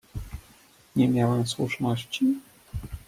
"Nie miałem słuszności?"